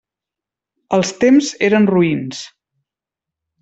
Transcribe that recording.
Els temps eren roïns.